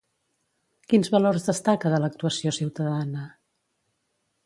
Quins valors destaca de l'actuació ciutadana?